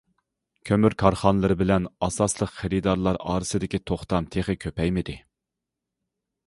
كۆمۈر كارخانىلىرى بىلەن ئاساسلىق خېرىدارلار ئارىسىدىكى توختام تېخى كۆپەيمىدى.